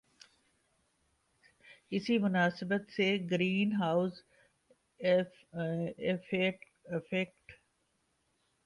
اسی مناسبت سے گرین ہاؤس ایفیکٹ